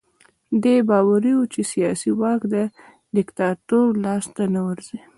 دوی باوري وو چې سیاسي واک د دیکتاتور لاس ته نه ورځي.